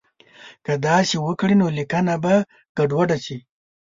که داسې وکړي نو لیکنه به ګډوډه شي.